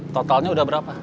totalnya udah berapa